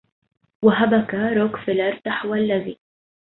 وهبكَ روكفيلر تحوى الذي